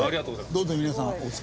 どうぞ皆さん。